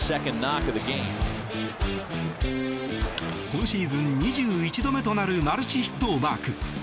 今シーズン２１度目となるマルチヒットをマーク。